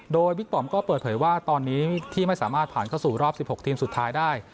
โดยบิ๊กปอมก็เปิดเผยว่าตอนนี้ที่ไม่สามารถผ่านเข้าสู่รอบ๑๖ทีมสุดท้ายได้